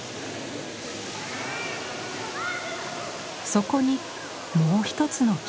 そこにもう一つの霧。